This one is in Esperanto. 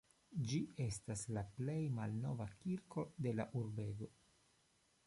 Ĝi estas la plej malnova kirko de la urbego.